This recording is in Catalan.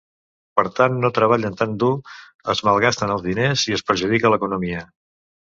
Per tant, no treballen tan dur, es malgasten els diners i es perjudica l'economia.